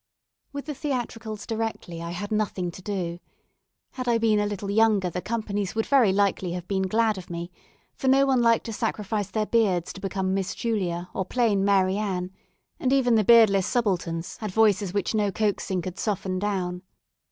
With the theatricals directly I had nothing to do. Had I been a little younger the companies would very likely have been glad of me, for no one liked to sacrifice their beards to become Miss Julia or plain Mary Ann; and even the beardless subalterns had voices which no coaxing could soften down.